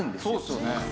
そうですよね。